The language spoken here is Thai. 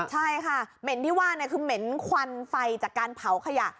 ใช่ค่ะเหม็นที่ว่าคือเหม็นควันไฟจากการเผาขยะ